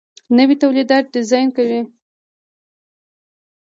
نوي تولیدات ډیزاین کوي.